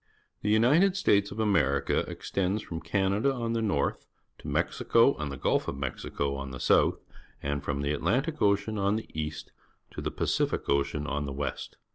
— The United States of America extends from Canada on the north to Mexico and the Gulf of Mexico on the south, and from the Atlantic Ocean on the east to the Pacific Ocean on the west.